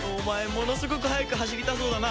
ものすごく速く走りたそうだな。